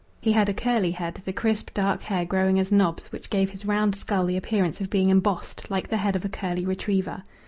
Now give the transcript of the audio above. He had a curly head, the crisp dark hair growing as knobs, which gave his round skull the appearance of being embossed like the head of a curly retriever.